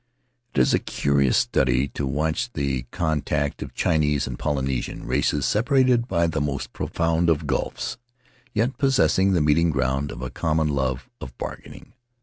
It is a curious study to watch the contact of Chinese and Polynesian, races separated by the most profound 20 [ 293 ] Faery Lands of the South Seas of gulfs, yet possessing the meeting ground of a com mon love of bargaining.